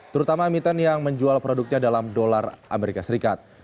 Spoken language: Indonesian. terutama emiten yang menjual produknya dalam dolar amerika serikat